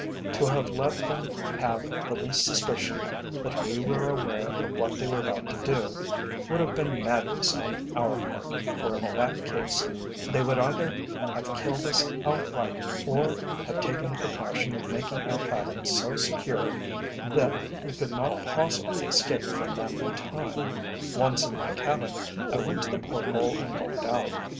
To have let them have the least suspicion that we were aware of what they were about to do, would have been madness on our part, for in that case they would either have killed us outright, or have taken the precaution of making our cabins so secure, that we could not possibly escape from them in time. Once in my cabin I went to the port hole and looked out.